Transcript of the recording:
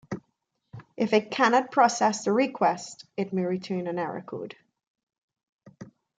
If it cannot process the request, it may return an error code.